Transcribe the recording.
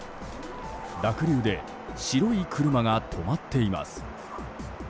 濁流で白い車が止まっています。